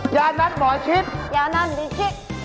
ยานัตหมอชิต